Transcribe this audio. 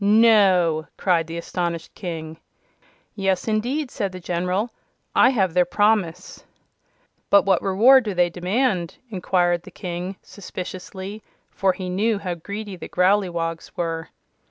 "No!" cried the astonished King. "Yes, indeed," said the General. "I have their promise." "But what reward do they demand?" inquired the King, suspiciously, for he knew how greedy the Growleywogs were.